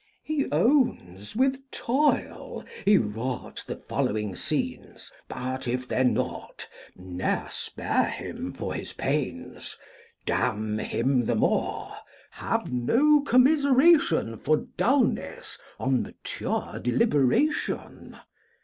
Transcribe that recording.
He owns, with toil he wrought the following scenes, But if they're naught ne'er spare him for his pains: Damn him the more; have no commiseration For dulness on mature deliberation.